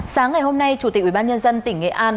sáng ngày hôm nay chủ tịch ubnd tỉnh nghệ an